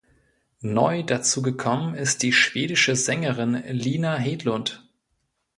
Neu dazu gekommen ist die schwedische Sängerin Lina Hedlund.